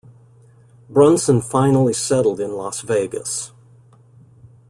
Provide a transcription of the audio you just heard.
Brunson finally settled in Las Vegas.